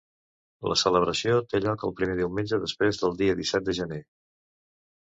La celebració té lloc el primer diumenge després del dia disset de gener.